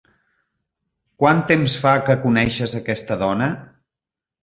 Quan temps fa que coneixes aquesta dona?